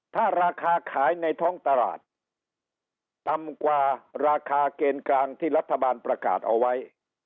ถ้าราคาขายในท้องตลาดต่ำกว่าราคาเกณฑ์กลางที่รัฐบาลประกาศเอาไว้